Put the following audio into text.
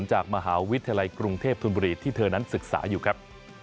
จากมหาวิทยาลัยกรุงเทพธนบุรีที่เธอนั้นศึกษาอยู่ครับ